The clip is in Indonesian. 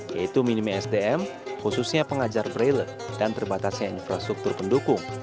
yaitu minimi sdm khususnya pengajar braille dan terbatasnya infrastruktur pendukung